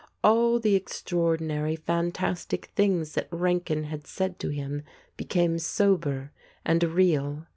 All the extraordinary fantastic things that Rankin had said to him became sober and real.